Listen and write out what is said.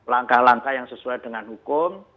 langkah langkah yang sesuai dengan hukum